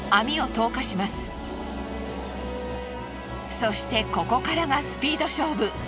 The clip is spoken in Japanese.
そしてここからがスピード勝負。